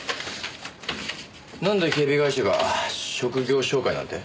なんで警備会社が職業紹介なんて。